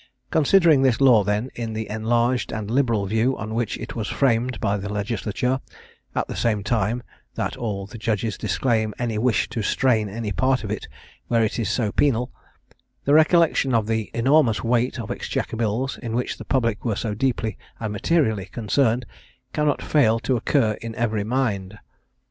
Considering this law then in the enlarged and liberal view on which it was framed by the legislature (at the same time that all the judges disclaim any wish to strain any part of it where it is so penal,) the recollection of the enormous weight of exchequer bills, in which the public were so deeply and materially concerned, cannot fail to occur to every mind.